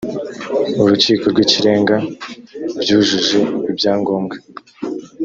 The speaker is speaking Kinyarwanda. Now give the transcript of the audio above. urukiko rw ikirenga byujuje ibyangombwa